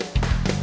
terima kasih bang